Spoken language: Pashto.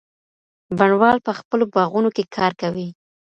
بڼوال په خپلو باغونو کي کار کوي.